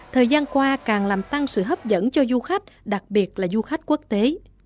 thời gian qua càng làm tăng sự hấp dẫn cho du khách đặc biệt là du khách quốc tế